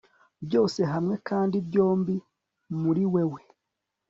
byose hamwe, kandi byombi muri wewe